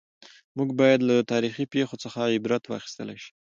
موږ باید له تاریخي پېښو څخه عبرت واخیستل شي.